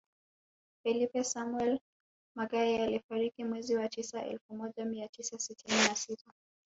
Filipe Samuel Magaia alifariki mwezi wa tisa elfu moja mia tisa sitini na sita